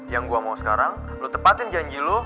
yang gue mau sekarang lo tepatin janji lo